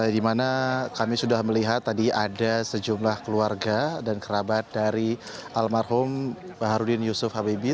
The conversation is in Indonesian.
di mana kami sudah melihat tadi ada sejumlah keluarga dan kerabat dari almarhum baharudin yusuf habibie